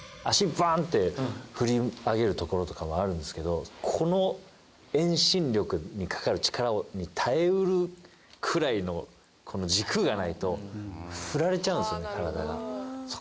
足バーンって振り上げるところとかもあるんですけどこの遠心力にかかる力に耐えうるくらいの軸がないと振られちゃうんですよね